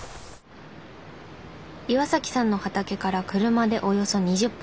岩さんの畑から車でおよそ２０分。